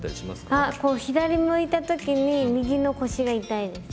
あっこう左向いた時に右の腰が痛いです。